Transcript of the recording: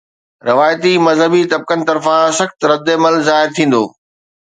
روايتي مذهبي طبقن طرفان سخت ردعمل ظاهر ٿيندو.